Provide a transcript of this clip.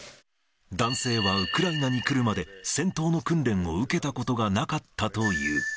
男性はウクライナに来るまで、戦闘の訓練を受けたことがなかったという。